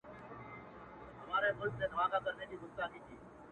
دا ده ميني فــــلــــــسفه يـــــــــــــې ـ